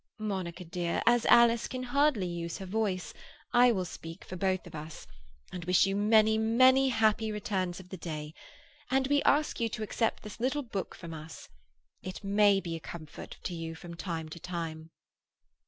Monica, dear, as Alice can hardly use her voice, I will speak for both of us, and wish you many, many happy returns of the day. And we ask you to accept this little book from us. It may be a comfort to you from time to time."